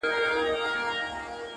اوس جهاني لکه یتیم په ژړا پوخ یمه نور!!